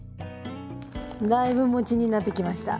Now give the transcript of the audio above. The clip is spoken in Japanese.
だいぶ餅になってきました。